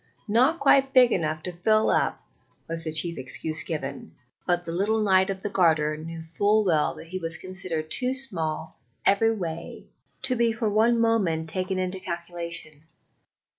"Not quite big enough to fill up," was the chief excuse given; but the little Knight of the Garter knew full well that he was considered too small every way to be for one moment taken into the calculation.